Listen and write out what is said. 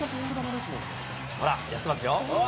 ほら、やってますよ。